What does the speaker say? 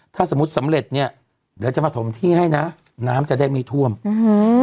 ถ้าสมมุติสำเร็จเนี้ยเดี๋ยวจะมาถมที่ให้นะน้ำจะได้ไม่ท่วมอืม